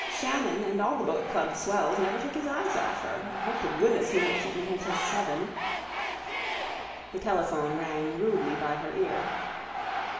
Shannon and all the boatclub swells never took his eyes off her. Hope to goodness he won't keep me here till seven. The telephone rang rudely by her ear.